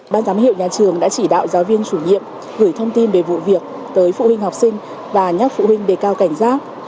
ban giám hiệu nhà trường đã chỉ đạo giáo viên chủ nhiệm gửi thông tin về vụ việc tới phụ huynh học sinh và nhắc phụ huynh để cao cảnh giác